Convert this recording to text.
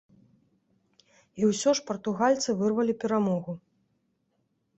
І ўсё ж партугальцы вырвалі перамогу.